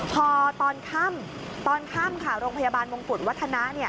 พอตอนค่ำตอนค่ำค่ะโรงพยาบาลมงกุฎวัฒนะ